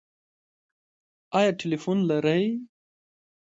ایا ټیلیفون لرئ؟